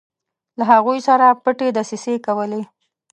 له هغوی سره پټې دسیسې کولې.